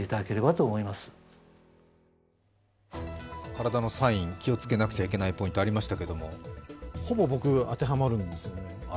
体のサイン、気を付けなくちゃいけないポイントがありましたが、ほぼ僕、当てはまるんです。